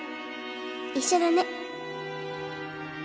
一緒だね。